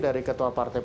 dari ketua partai